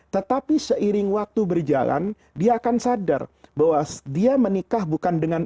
tetapi seiring waktu berjalan dia akan sadar bahwa dia menikah bukan dengan